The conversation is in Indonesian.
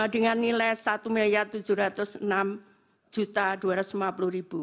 dengan nilai rp satu tujuh ratus enam dua ratus lima puluh